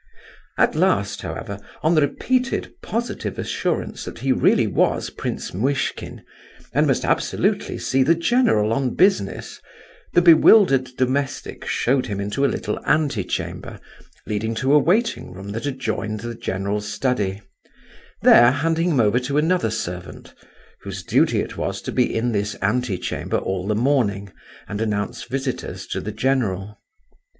At last, however, on the repeated positive assurance that he really was Prince Muishkin, and must absolutely see the general on business, the bewildered domestic showed him into a little ante chamber leading to a waiting room that adjoined the general's study, there handing him over to another servant, whose duty it was to be in this ante chamber all the morning, and announce visitors to the general.